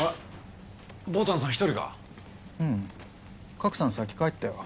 賀来さん先帰ったよ。